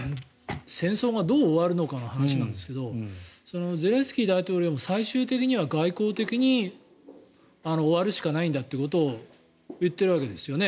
戦争がどう終わるかの話なんですがゼレンスキー大統領も最終的には外交的に終わるしかないんだということを言っているわけですよね。